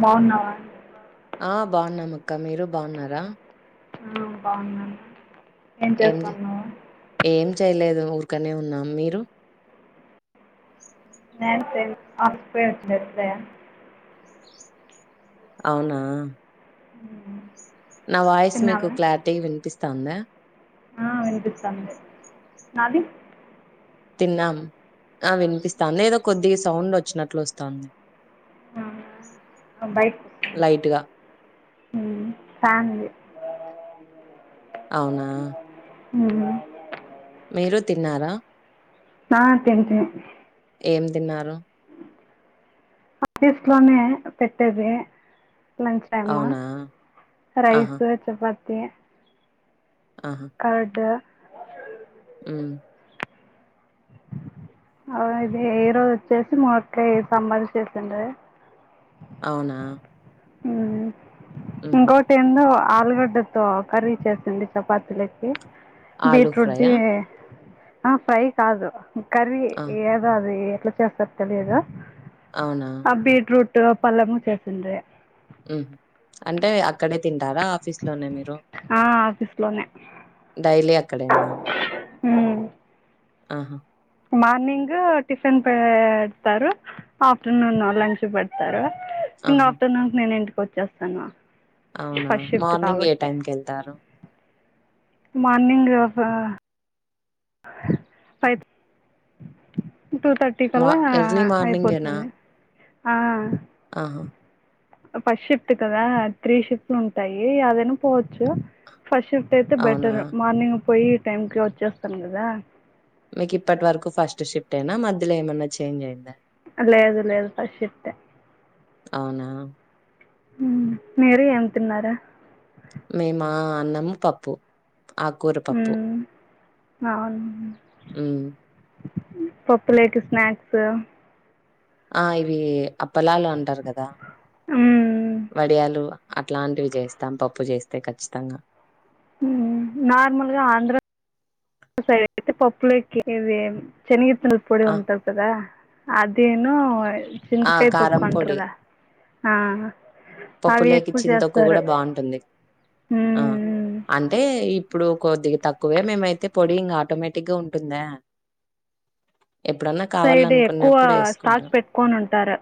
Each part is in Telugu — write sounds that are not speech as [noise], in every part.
బావున్నావా ఆ బాగున్నామక్క మీరు బాగున్నారా ఆ బావున్నా ఏం చే ఏం చేయ్లేదు ఊ కనే ఉన్నాం మీరు నేను ప్రెస్ అల్సి పోయి వచ్చేస్తే అవునా మ్మ్ నా వాయిస్ మీకు క్లారిటీ వినిపిస్ తాందా ఆ వినిపిస్తాంది నాది తిన్నాం ఆ వినిపిస్తాంది ఏదో కొద్దిగా సౌండ్ వచ్చినట్లు వస్తాంది ఆ బైక్ లైట్‌గా. మ్మ్ ఫ్యాన్ ది అవునా ఊ మీరు తిన్నారా నా తింట్నం ఏం తిన్నారు ఆఫీస్ లోనే పెట్టేది లంచ్ టైమా అవునా! ఆహా! రైస్ చపా తీ ఆహా! కర్డ్ మ్మ్ ఆ ఇది ఈ రోజు వచ్చేసి మున్నకాయ సాంబార్ చేసిండ్రి అవునా మ్మ్ హుహు. ఇంకోటెందో ఆలుగడ్డతో కర్రీ చేసింది చపాతీలేకి ఆలూ బీట్రూట్ ది ఫ్రైయా? ఆ ఫ్రై కాదు కర్ ఆ! ఏదో అది ఎట్లా చేస్తారు తెలియదు అవునా! ఆ బీట్రూట్ తో పల్లెము చేసిండ్రీ ఉమ్ అంటే అక్కడే తిం టారా ఆఫీస్ లోనే మీరు ఆ, ఆఫీస్లోనే డైలీ అక్కడేనా ఉమ్ ఆహా మార్నింగ్ టిఫిన్ పేడ్తారు ఆఫ్టర్నూన్ లంచ్ పెడతారు ఇంగ ఆహా! ఆఫ్టర్నూన్ కి నేను ఇంటి కొచ్చేస్తాను అవునా మార్నింగ్ ఏ టైం కెళ్తారు మార్నింగ్ ఆ ఫై [inaudible] టూ థర్టీ మా కల్లా ఎర్లీ మార్నింగేనా? అయిపోతుంది ఆ ఆహా! ఫస్ట్ షిఫ్ట్ కదా త్రీ షిఫ్ట్లుంటాయి యాదైనా పోవచ్చు ఫస్ట్ షిఫ్ట్ అయితే అవునా! బెటర్ మార్నింగ్ పోయి టైంకి వచ్చేస్తాను కదా మీకు ఇప్పటి వరకు ఫస్ట్ షిఫ్టేనా మధ్యలో ఏమన్నా చేంజ్ అయిందా లేదు లేదు ఫస్ట్ షిఫ్టే అవునా! ఉమ్ మీరు ఏం తిన్నారు మేమా అన్నం పప్పు ఆకూర పప్పు అవునా ఉమ్ పప్పులేకి స్నాక్స్ ఆ ఇవీ అప్పలాలు అంటారు కదా మ్మ్. అట్లాంటివి చేస్తాం పప్పు చేస్తే ఖచ్చితంగా మ్ నార్మల్గా ఆంధ్ర సైడ్ అయితే పప్పులేకి ఇవి చెనిగి ల్ పొడి ఆ! ఉంటాది కదా అదేను ఆ! చింతకాయ తొక్కు కారం అంట్రూ పొడి. గా ఆ పప్పు అవి లేకి ఎక్కువ చింతొక్కు కూడ చేస్తారు బాగుంటుంది ఆర్ మ్మ్. అంటే ఇప్ ప్పుడు కొద్దిగా తక్కువే మేమైతే పొడి ఇంకా ఆటోమేటిగ్గా ఉంటుందా ఎప్పుడన్నా సైడ్ ఎక్కువ కావాలనుకున్నప్పుడు స్టాక్ ఏసుకుంటాం. పెట్కోని ఉంటారు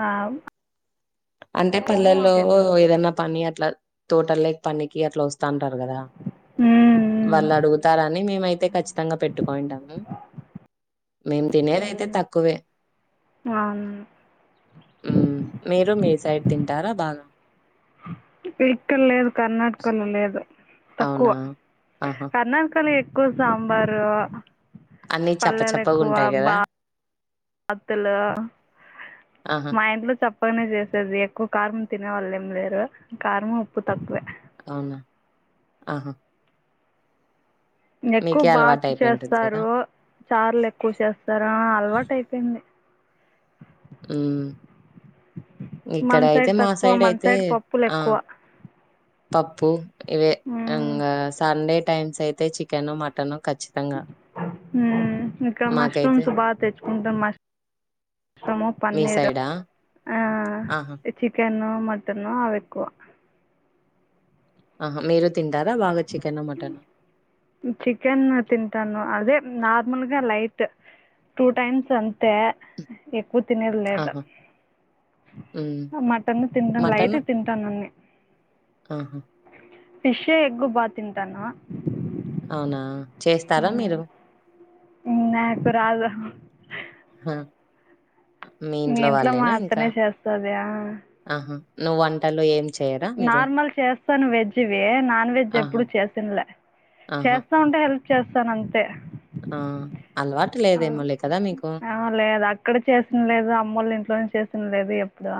ఆ అంటే అదేను పల్లెల్లో ఆవకాయ తొక్కు. ఏదనా పని అట్ల తోటల్లేకి పనికి అట్లా వస్తాంటారు కదా మ్మ్. వాళ్ళడుగు తారని మేమైతే ఖచ్చితంగా పెట్టుకోయింటాము మేము తినేదైతే తక్కువే అవునా మ్మ్ మీర్ రు మీ సైడ్ తింటారా బాగా ఇక్కడ లేదు కర్ణాటకలో లేదు తక్కువ అవునా ఆహా కర్నాటకాలో ఎ క్కవ సాంబారు అన్నీ చప్పచప్పగుంటాయి కదా అత్తుల్లో ఆహా మా ఇంట్లో చప్పగనే చేసేది ఎక్కువ కారము తినేవాళ్ళేంలేరు కారము ఉప్పు తక్కువ అవునా ఆహా ఎక్కువ మీకే అలవాటు బాత్ అయిపోయింటుంది కదా చేస్తారు చార్లు ఎక్కువ చేస్తారు అలవాటు అయిపోయింది మ్మ్ మన ఇక్కడ అయితే మా తక్కువ సైడ్ మన అయితే పప్పులు ఆ ఎక్కువ పప్పు ఇవే ఇంకా సండే టైమ్స్ అయితే చికెను మటను ఖచ్చితంగా మ్మ్ ఇంక మాకైతే మష్రూమ్స్ బాతెచ్ కుంటం మస్ సాము మీ పన్నీరు సైడా ఆ ఆహా చికెను మటను అవెక్కువ ఆహ మీరు తింటారా బాగా చికెను, మటను? చికెన్ తింటాను అదే నా ర్మల్గా లైట్ టూ టైమ్స్ అంతే ఎక్కువ తినేది లేదా ఆహా! హ్మ్. ఆ మటన్ తింటాను లైట్ మటను? తింటాను అన్ని ఆహా ఫిష్ ఎగ్గు బా తిన్ టాను అవునా చేస్తారా మీరు ఉ నాకు రాదు [inaudible] మీ ఇంట్లో మా అత్తనే చేస్తద యా ఆ వన్ నార్మల్ చేస్తాను వెజ్ వే నాన్ వెజ్ ఆహా! ఎప్పుడు చేసిన్లే ఆహా! చేస్తా ఉంటే హెల్త్ చేస్తాన అంతే ఆ అలవాటు అవును లేదేమోలే కదా మీకు? నావల్లగాదు అక్కడ చేసిన లేదు అమ్మళ్లు ఇంట్లోనే చేసినది లేదు ఇపుడా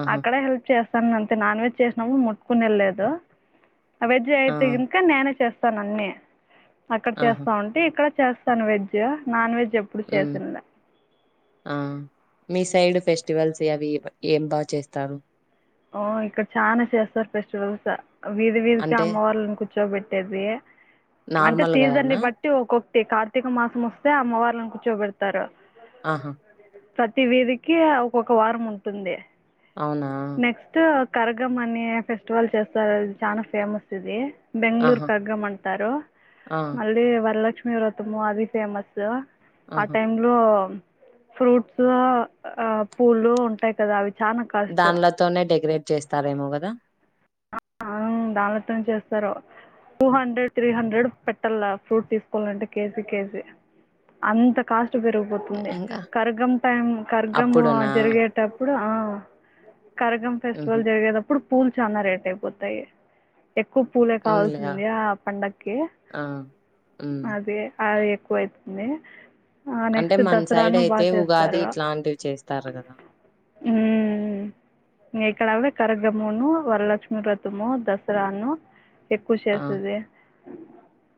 ఆహా! అక్కడే హెల్ప్ చేస్తా సన్న అంతే నాన్ వెజ్ చేసినాము ముట్టుకునేది లే దు ఆ వెజ్ అయితే గనకా నేనే చేస్త తనన్నే అక్కడ ఆహా! చేస్తా ఉంటే ఇక్కడ చేస్తాను వెజ్ నాన్ వెజ్ ఎప్పుడు హ్మ్. చేసిన్ దా ఆ! మీ సైడ్ ఫెస్టివల్స్ అవి ఏం బాగ చేస్తారు ఓ ఇక్కడ చాన చేస్తారు ఫెస్టివల్స్ వీధి వీధికి అంటే అమ్మ వాళ్ళని కుచ్ చ్చోబెట్టేది అంటే సీజన్ని నార్మల్‌గానా? బట్టి ఒక్కొక్క కార్తీక మాసం వస్తే అమ్మవార్లను కూర్చోబెడతారు ఆహా ప్రతి వీధికి ఒక్కొక్క వారం ఉంటుంది అవునా నెక్స్ట్ కరగం అనే ఫెస్టివల్ చేస్తారది చాన ఫేమస్ ఇది బెంగళూరు ఆహా! కగ్గమంటారు ఆ! మళ్ళీ వరలక్ష్మి మీరత్మ అది ఫేమస్ ఉ ఆ ఆహా! టైమ్ లో ఫ్రూట్స్ ఆ ఆ పూలు ఉంటాయి కదా అవి చాన కష్ట్ తోనే డెకరేట్ చేస్తారేమో కదా. ఆ ఆహ్ దాన్లతోనే చేస్తారు టూ హండ్రెడ్ త్రీ హండ్రెడ్ పెట్టల్ల ఫ్రూట్ తీసుకోవాలంటే కేజీ కేజీ అంత కాస్ట్ విరిగిపోతుంది ఇంకా కర్గం టైం కర్గం అప్పుడునా జేరిగేటప్పుడు కర్గం ఉహు ఫెస్టివల్ జరిగేదప్పుడు పూల్ చాలా రేట్ టేపోతాయి ఎక్కువ పూలే అవునులే కావాల్సింది ఆ పండగకి ఆ ఉమ్ అది అదే కూర ఏతుందే ఆ అంటే నెక్స్ట్ మన సైడ్ దసరాను అయితే బాగా ఉగాది చేస్తారు ఇట్లాంటివి చేస్తారు కదా అమ్ ఇక్కడ అవే సర్గమును వరలక్ష్మి వ్రతము దసరాను ఎప్పుడు ఆ చేస్తది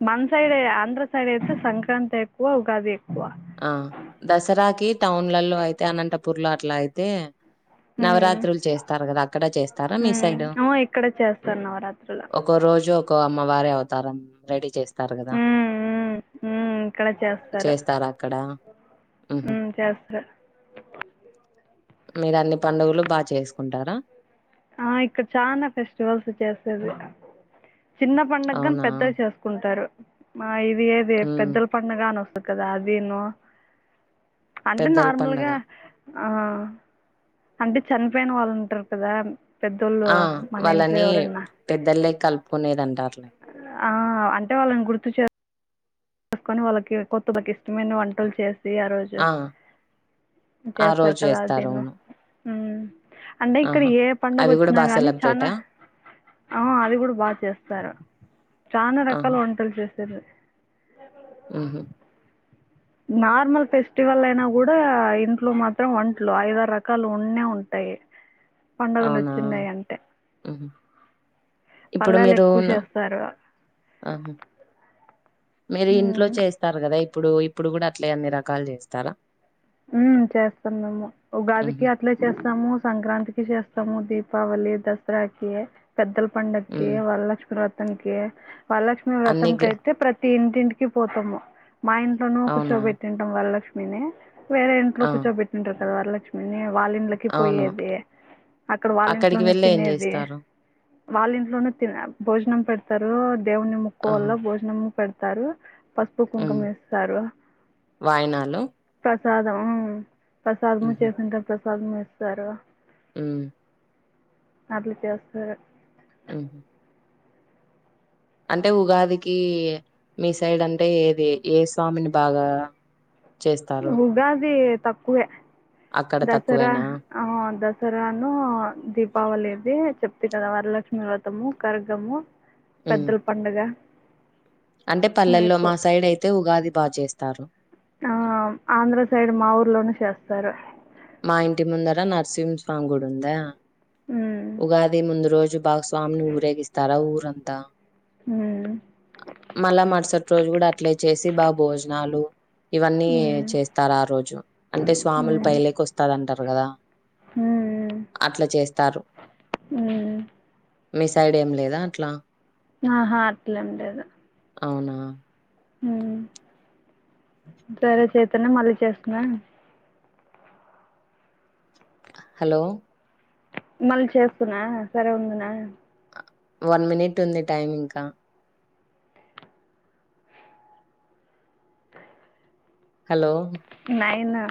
మన్ సైడే ఆంధ్ర సైడ్ అయితే సంక్రాంతి ఎక్కువ ఉగాది ఎక్కువ ఆహ్ దసరాకి టౌన్ లలో అయితే అనంతపూర్ లో అట్లా అయితే నవరాత్రులు చేస్తారు గదా అక్కడ చేస్తారా మీ సైడ ఉమ్ ఇక్కడ చేస్తారు నవరాత్రులు ఒక రోజు ఒక అమ్మ వారే అవతారం రెడీ చేస్ గదా ఉమ్ చేస్తారా అక్కడ ఉహు అమ్ చేస్తారు మీరు అన్ని పండుగులు బాగా చేసుకుంటారా ఆ ఇక్కడ చానా ఫెస్టివల్స్ చేసేది చిన్న పండుగాని అవునా పెద్దగా చేసుకుంటారు ఆహ్ ఇది ఏది ఉమ్ పెద్దల పండగని వస్ ఒక దాదిను అంటే పెద్దల పండగ నార్మల్గా. ఆ అంటే చనిపోయిన వాళ్ళు ఉంటారు కదా పెద్దోళ్ళు ఆ మన ఇంట్లో వాళ్ళని ఎవరన్నా పెద్దలే కలుపుకునేది అంటారులే ఆహ్ అంటే వాళ్ళని గుర్తు చే తీసుకొని వాళ్ళకి కొత్త బకిట్ మెను వంటలు చేసి ఆ రోజు ఆ చేస్తారు రోజు కదా చేస్తారు అదిను అవును అమ్ అంటే ఇక్కడ ఆహా! ఏ అవి గూడా పండగొచ్చినా బా గాని చానా సెలబ్రేటా? ఆహ్ అది కూడా బాగా చేస్తారు చానా రకాల వంటలు చేస్ సరే చెప్పు ఉహా నార్మల్ ఫెస్టివల్ అయినా కూడా ఇంట్లో మాత్రం ఒంట్లు ఐదరు రకాలు ఉండే ఉంటాయి పండుగలు అవునా? వచ్చిన్నాయి అంటే హుహు. ఇప్పుడు పల్లాలు మీరు ఎక్కువ ఉన్న చేస్తారు ఆహ మీరు ఇంట్లో మ్మ్. చేస్తారు కదా యి ఇప్పుడు ఇప్పుడు కూడా అట్లే ఎన్ని రకాలు చేస్తారా ఉ చేస్తాం మేము ఉగాదికి హుహు. అట్లే చేస్తాము సంక్రాంతికి చేస్తాము దీప్ దీపావళీ దసరాకి పెద్దల పండకి హ్మ్. వరలక్ష్మి వ్రత - - తనికి వరలక్ష్మి వ్రతం అన్ని గ్ర కైతే ప్రతి ఇంటింటికి పోతాము మా ఇంట్లోనూ అవునా? కూర్చోబెట్టింటాం వల్ల నిన్నే వేరే ఇట్లో ఆ! కూర్చోబట్టింటారు వరలక్ష్మి వాళ్ళింట్లకి అవును. పోయేది అక్కడ వాళ్ళ అక్కడికి ఇంట్లోనే వెళ్లి ఏం తినేది జేస్తారు? వాళ్ళ ఇంట్లోనే త భోజనం పెడు తరు దేవు్ని ము ఆహా! కుకువల్ భోజనంత స్తారు పసుపు హ్మ్. కుంకమిస్తారు వాయనాలు? ప్రసాదం ప్రసాద్ ముంచస్తుంట ప్ర [unintelligible] పగమిేశ్వర [unintelligible] హుమ్మ్ అదిలు చేస్తరు హుహు. అంటే ఉగాదికి మీ సైడ్ అంటే ఏది ఏ స్వామిని బాగా చేస్తారు? ఉగాది తక్కువే అక్కడ దసరా తక్కువేనా? ఆ దస సరాను దీపావళిది చెప్తే కదా వరలక్ష్మి వ్రతము కర్గము హ్మ్. పెద్దల పండుగ అంటే ఇవి పల్లల్లో ఎక్కువ. మా సైడ్ అయితే ఉగాది బాగా చేస్త స్తారు ఆ ఆంధ్ర సైడ్ మా ఊర్లోన చేస్తారు మా ఇంటి ముందర నరసింహస్వామి గుడి ఉందా హ్మ్. ఉగాది ముందు రోజు భా స్వామిని ఊరేగిస్తారా ఊరంతా హ్మ్. మళ మార్సటి రోజు కూడా అట్లే చేసి బా భోజనాలు ఇవన్నీ హ్మ్. చేస్తారు ఆ రోజు అంటే స్వాములు హ్మ్. పైలేకి వస్ అంటారు కదా హ్మ్. అట్ల చేస్తారు హ్మ్. మీ సైడ్ ఏం లేదా అట్లా ఆహా అట్లు ఉండదు అవునా హుమ్ సరే చేతనే మళ్ళీ చేస్తున్నా హలో మళ్ళీ చేస్తునా సరే ఉందునా వన్ మినిట్ ఉంది టైమ్ ఇంకా హలో నైన్ హు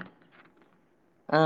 ఆ